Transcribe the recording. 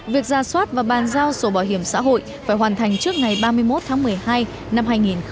việc giả soát và bàn giao sổ bảo hiểm xã hội phải hoàn thành trước ngày ba mươi một tháng một mươi hai năm hai nghìn một mươi tám